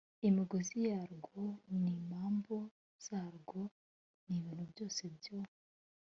imigozi yarwo n imambo zarwo n ibintu byose byo